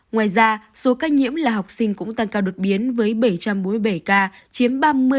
ngoài ra số ca nhiễm là học sinh cũng tăng cao đột biến với bảy trăm bốn mươi bảy ca chiếm ba mươi một mươi sáu